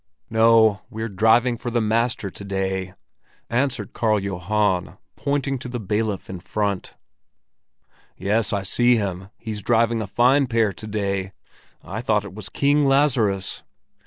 "No, we're driving for the master to day!" answered Karl Johan, pointing to the bailiff in front. "Yes, I see him. He's driving a fine pair to day! I thought it was King Lazarus!"